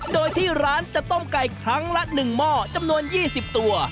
โดยที่ร้านจะต้มไก่ครั้งละ๑หม้อจำนวน๒๐ตัว